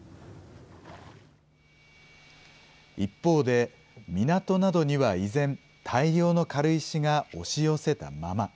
一方で、港などには依然、大量の軽石が押し寄せたまま。